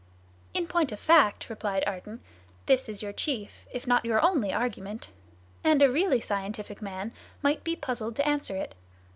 "In point of fact," replied Ardan, "this is your chief, if not your only argument; and a really scientific man might be puzzled to answer it.